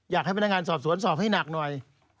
อยากให้พนักงานสอบสวนสอบให้หนักหน่อย